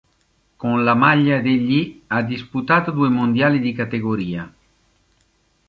Con la maglia degli ha disputato due mondiali di categoria.